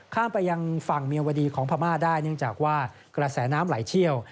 ไปยังฝั่งเมียวดีของพม่าได้เนื่องจากว่ากระแสน้ำไหลเชี่ยว